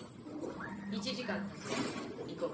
１時間たった行こう。